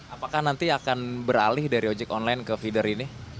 apakah nanti akan beralih dari ojek online ke feeder ini